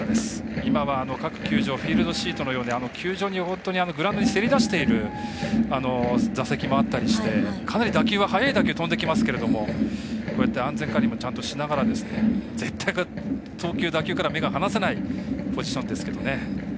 今は各球場、フィールドシートグラウンドにせり出している座席もあったりしてかなり打球は速い打球飛んできますけれども安全管理もちゃんとしながら絶対、投球、打球から目が離せないポジションですが。